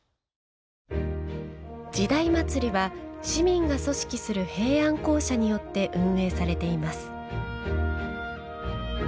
「時代祭」は市民が組織する平安講社によって運営されています。